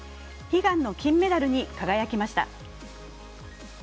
悲願の金メダルに輝きました。